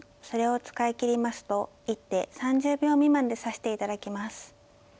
それを使い切りますと一手３０秒未満で指して頂きます。